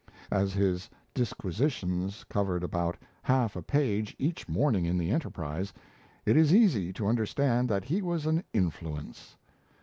As his disquisitions covered about half a page each morning in the Enterprise, it is easy to understand that he was an "influence."